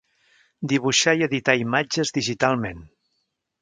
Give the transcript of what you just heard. Dibuixar i editar imatges digitalment.